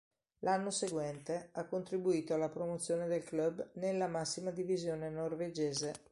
L'anno seguente, ha contribuito alla promozione del club nella massima divisione norvegese.